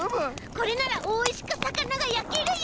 これならおいしくさかながやけるよ！